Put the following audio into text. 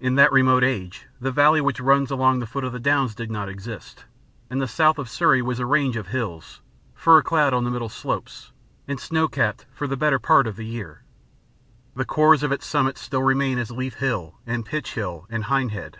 In that remote age the valley which runs along the foot of the Downs did not exist, and the south of Surrey was a range of hills, fir clad on the middle slopes, and snow capped for the better part of the year. The cores of its summits still remain as Leith Hill, and Pitch Hill, and Hindhead.